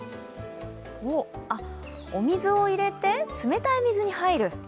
おっ、あっ、お水を入れて冷たい水に入る。